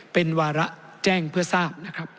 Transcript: เป็นวาระแจ้งเพื่อทราบ